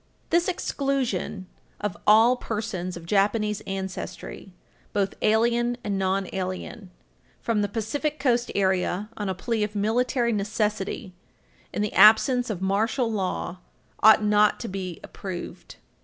This exclusion of "all persons of Japanese ancestry, both alien and non alien," from the Pacific Coast area on a plea of military necessity in the absence of martial law ought not to be approved.